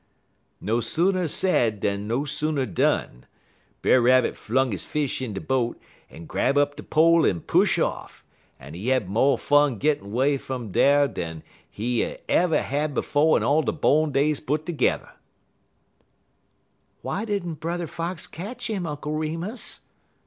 "No sooner said dan no sooner done. Brer Rabbit fling he fish in he boat en grab up de pole en push off, en he had mo' fun gittin' 'way fum dar dan he y ever had befo' in all he born days put terge'er." "Why did n't Brother Fox catch him, Uncle Remus?"